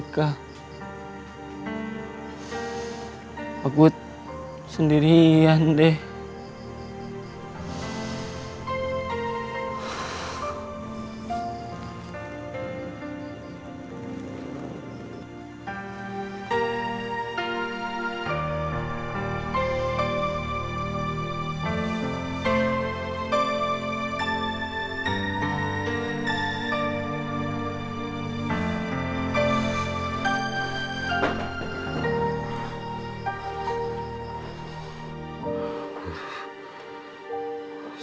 sudah gak mungkin najat mau nerima kamu lagi